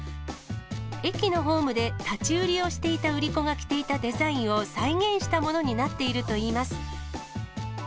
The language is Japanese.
駅のホームで立ち売りをしていた売り子が着ていたデザインを再現したものになっているといいます。